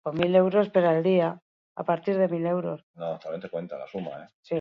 Zundek zoruaren konposizio kimikoa aztertzeko tresneria zeramaten gainean.